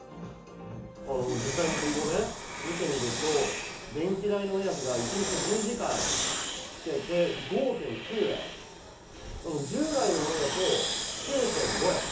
実際にここ見てみるとね、電気代の目安が一日１０時間つけて５．９円、従来のものだと９．５円。